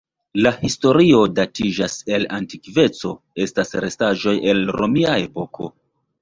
La historio datiĝas el antikveco, estas restaĵoj el romia epoko.